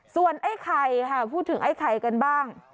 ส่วนไอ้ไข่ค่ะพูดถึงไอ้ไข่กันบ้าง